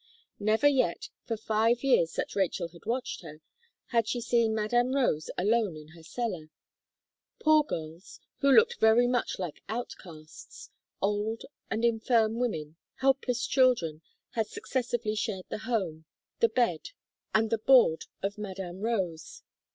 Never yet, for five years that Rachel had watched her, had she seen Madame Rose alone in her cellar. Poor girls, who looked very much like out casts, old and infirm women, helpless children, had successively shared the home, the bed, and the board of Madame Rose.